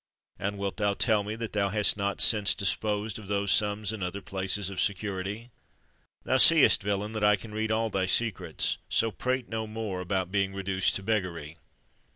and wilt thou tell me that thou hast not since disposed of those sums in other places of security? Thou seest, villain, that I can read all thy secrets: so prate no more about being reduced to beggary."